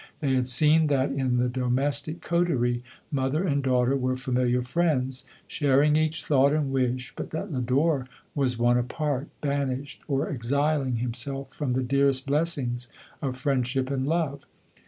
They had seen, that, in the domestic coterie, mother and daughter were familiar friends, sharing each thought and wish, but that Lodore was one apart, banished, or exiling himself from the dearest blessings of friendship and love.